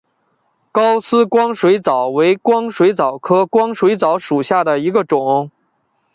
高斯光水蚤为光水蚤科光水蚤属下的一个种。